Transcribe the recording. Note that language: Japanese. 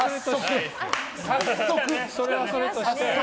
それはそれとして。